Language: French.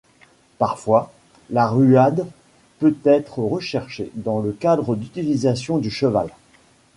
Parfois, la ruade peut être recherchée dans le cadre d'utilisations du cheval.